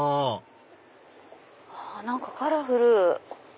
何かカラフル！